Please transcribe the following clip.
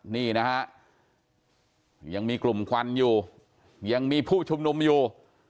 นี่นะฮะยังมีกลุ่มควันอยู่ยังมีผู้ชุมนุมอยู่